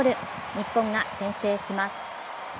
日本が先制します。